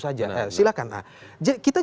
saja silahkan kita